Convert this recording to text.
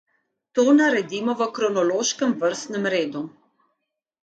To naredimo v kronološkem vrstnem redu.